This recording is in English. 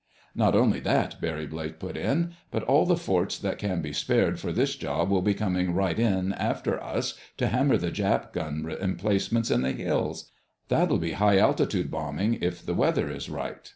"Not only that," Barry Blake put in, "but all the forts that can be spared for this job will be coming right in after us to hammer the Jap gun emplacements in the hills. That'll be high altitude bombing, if the weather is right."